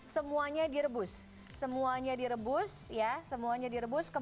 semuanya direbus semuanya direbus ya semuanya direbus